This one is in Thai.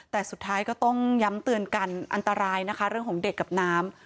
แต่สุดท้ายก็ต้องย้ำเตือนกันอันตรายนะคะเรื่องของเด็กกับน้ำ